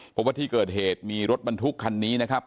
เพราะว่าที่เกิดเหตุมีรถบรรทุกคันนี้นะครับ